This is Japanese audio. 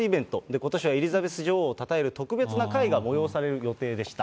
ことしはエリザベス女王をたたえる特別な会が催される予定でした。